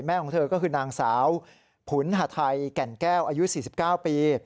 ของเธอก็คือนางสาวผุนหาทัยแก่นแก้วอายุ๔๙ปี